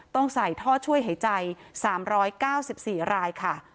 ต้องใส่ท่อช่วยหายใจ๓๙๔รายค่ะ